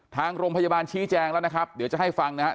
ทางโรงพยาบาลชี้แจงแล้วนะครับเดี๋ยวจะให้ฟังนะครับ